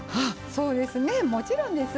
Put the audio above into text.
そうですねもちろんです。